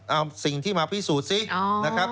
เอาสิ่งที่มาพิสูจน์ซินะครับ